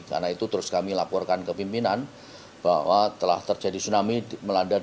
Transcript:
karena itu terus kami laporkan ke pimpinan bahwa telah terjadi tsunami melanda di